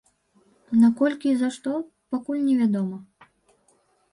Наколькі і за што, пакуль невядома.